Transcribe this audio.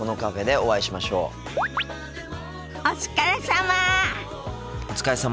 お疲れさま。